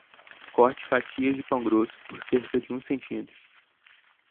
Corte fatias de pão grosso por cerca de um centímetro.